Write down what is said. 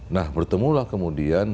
nah bertemulah kemudian